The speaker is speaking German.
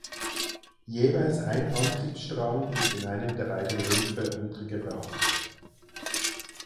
Jeweils ein Antriebsstrang ist in einem der beiden Rümpfe untergebracht.